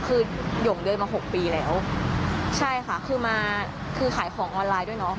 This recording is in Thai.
คือหย่งเดินมาหกปีแล้วใช่ค่ะคือมาคือขายของออนไลน์ด้วยเนอะ